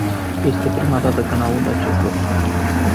Este prima dată când aud acest lucru.